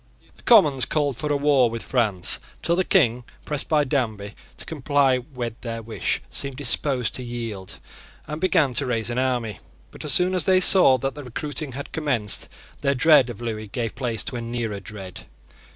The Commons called for a war with France, till the King, pressed by Danby to comply with their wish, seemed disposed to yield, and began to raise an army. But, as soon as they saw that the recruiting had commenced, their dread of Lewis gave place to a nearer dread.